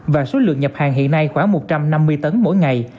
và số lượng nhập hàng hiện nay khoảng một trăm năm mươi tấn mỗi ngày